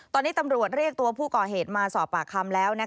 ตอนนี้ตำรวจเรียกตัวผู้ก่อเหตุมาสอบปากคำแล้ว